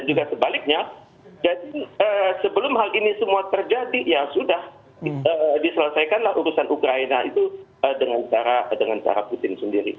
jadi sebelum hal ini semua terjadi ya sudah diselesaikanlah urusan ukraina itu dengan cara putin sendiri